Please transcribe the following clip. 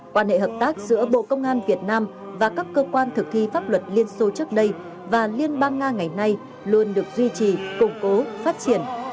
quan hệ hợp tác giữa bộ công an việt nam và các cơ quan thực thi pháp luật liên xô trước đây và liên bang nga ngày nay luôn được duy trì củng cố phát triển